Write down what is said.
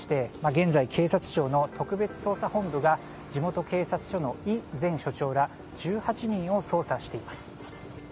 現在、警察庁の特別捜査本部が地元警察署のイ前署長ら１８人を捜査しています。